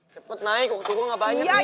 cepet naik waktu gue gak banyak nih